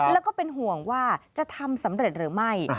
แล้วก็เป็นห่วงว่าจะทำสำเร็จหรือไม่